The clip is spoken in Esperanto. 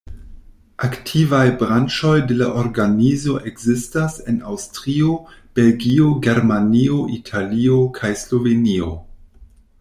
Aktivaj branĉoj de la organizo ekzistas en Aŭstrio, Belgio, Germanio, Italio kaj Slovenio.